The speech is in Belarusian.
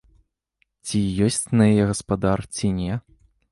Ці ёсць на яе гаспадар, ці не?